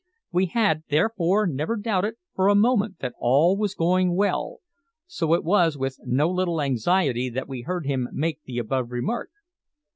We had, therefore, never doubted for a moment that all was going well, so that it was with no little anxiety that we heard him make the above remark.